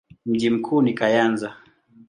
Mji mkuu ni Kayanza.